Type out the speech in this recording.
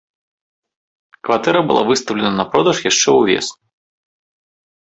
Кватэра была выстаўлена на продаж яшчэ ўвесну.